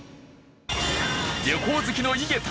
旅行好きの井桁。